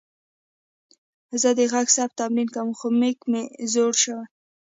زه د غږ ثبت تمرین کوم، خو میک مې زوړ شوې.